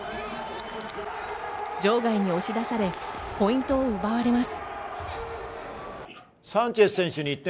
場外に押し出され、ポイントを奪われます。